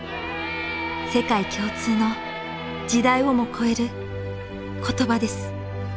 世界共通の時代をも超える言葉です。